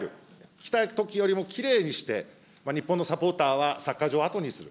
来たときよりもきれいにして、日本のサポーターはサッカー場を後にする。